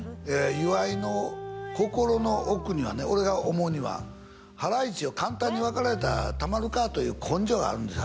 岩井の心の奥にはね俺が思うにはハライチを簡単に分かられたらたまるかという根性があるんですよ